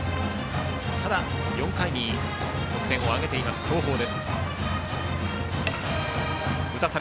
ただ、４回に得点を挙げている東邦です。